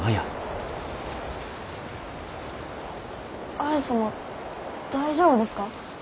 綾様大丈夫ですか？